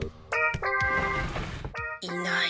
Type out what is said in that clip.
いない。